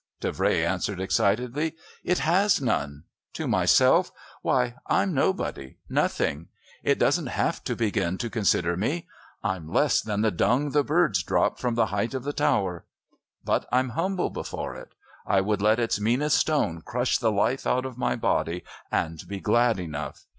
Davray answered excitedly. "It has none! To myself? Why, I'm nobody, nothing. It doesn't have to begin to consider me. I'm less than the dung the birds drop from the height of the tower. But I'm humble before it. I would let its meanest stone crush the life out of my body, and be glad enough.